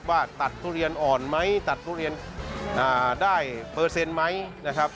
ว่าตัดทุเรียนอ่อนไหมตัดทุเรียนได้เปอร์เซ็นต์ไหมนะครับ